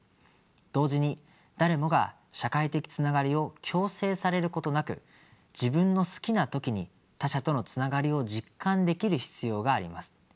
同時に誰もが社会的つながりを強制されることなく自分の好きな時に他者とのつながりを実感できる必要があります。